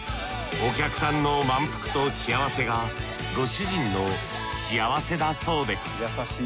お客さんの満腹と幸せがこ主人の幸せだそうです。